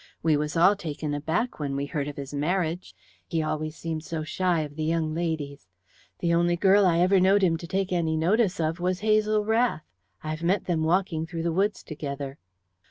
We was all taken aback when we heard of his marriage. He always seemed so shy of the young ladies. The only girl I ever knowed him to take any notice of was Hazel Rath. I have met them walking through the woods together."